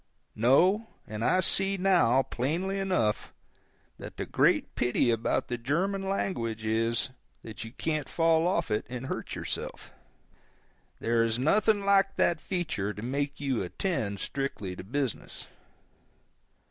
No—and I see now, plainly enough, that the great pity about the German language is, that you can't fall off it and hurt yourself. There is nothing like that feature to make you attend strictly to business.